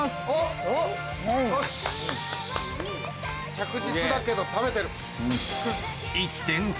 着実だけど食べてる。